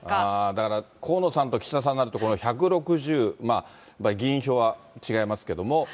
だから、河野さんと岸田さんになると、この１６０、まあ、議員票は違いますけども。